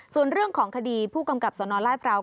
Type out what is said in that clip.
ส่วนเรื่องของคดีผู้กำกับสนราชพร้าว